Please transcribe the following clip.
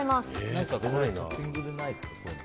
何かトッピングないですか？